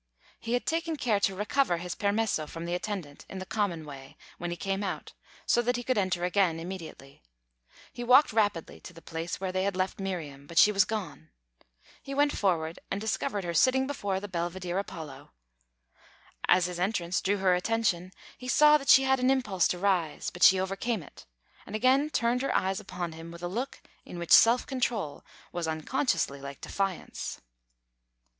He had taken care to recover his permesso from the attendant, in the common way, when he came out, so that he could enter again immediately. He walked rapidly to the place where they had left Miriam, but she was gone. He went forward, and discovered her sitting before the Belvedere Apollo. As his entrance drew her attention, he saw that she had an impulse to rise; but she overcame it, and again turned her eyes upon him, with a look in which self control was unconsciously like defiance.